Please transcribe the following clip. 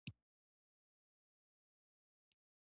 ازادي راډیو د اقلیم حالت په ډاګه کړی.